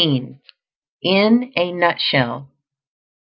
IN A NUTSHELL.